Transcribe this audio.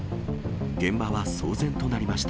現場は騒然となりました。